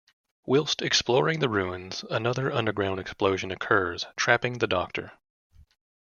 Whilst exploring the ruins, another underground explosion occurs, trapping the Doctor.